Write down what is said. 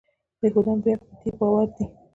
یهودیان بیا په دې باور دي.